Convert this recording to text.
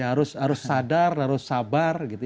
harus sadar harus sabar